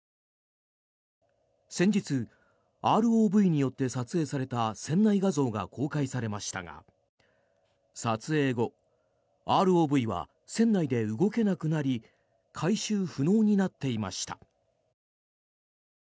先日、ＲＯＶによって撮影された船内画像が公開されましたが撮影後ＲＯＶは船内で動けなくなり回収不能になっていました。